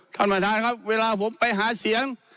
ท่านประธานครับเวลาผมไปหาเสียง